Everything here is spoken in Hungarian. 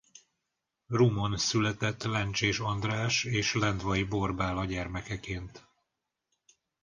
Rumon született Lencsés András és Lendvay Borbála gyermekeként.